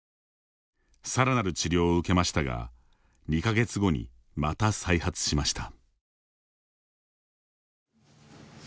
さらなる治療を受けましたが２か月後にまた再発しました。